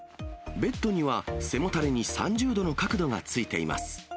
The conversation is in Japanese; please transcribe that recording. ベッドには背もたれに３０度の角度がついています。